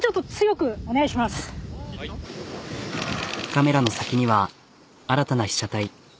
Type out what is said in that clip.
カメラの先には新たな被写体。